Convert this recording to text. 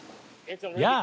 やあ！